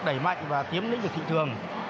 đẩy mạnh và tiêm lĩnh về thị trường